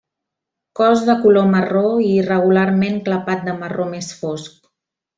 Cos de color marró i irregularment clapat de marró més fosc.